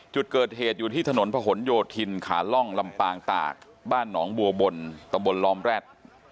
จุดเกิดเหตุอยู่ที่ถนนผนโยธินขาล่องลำปางตากบ้านหนองบัวบนตำบลล้อมแร็ด